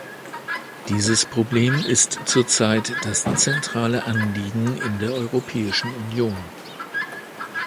Dieses Problem ist zur Zeit das zentrale Anliegen in der Europäischen Union.